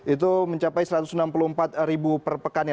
itu mencapai satu ratus enam puluh empat ribu perpekannya